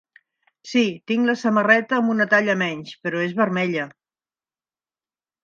Sí, tinc la samarreta amb una talla menys, però és vermella.